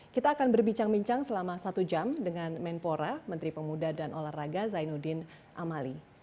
kita akan berbincang bincang selama satu jam dengan menpora menteri pemuda dan olahraga zainuddin amali